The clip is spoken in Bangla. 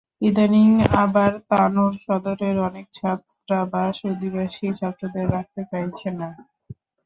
ইদানীং আবার তানোর সদরের অনেক ছাত্রাবাস আদিবাসী ছাত্রদের রাখতে চাইছে না।